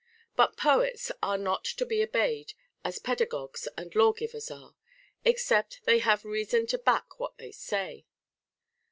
But poets are not to be obeyed as pedagogues and lawgivers are, except they have reason to back what they say.